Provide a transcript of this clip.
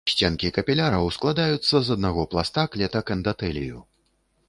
Сценкі капіляраў складаюцца з аднаго пласта клетак эндатэлію.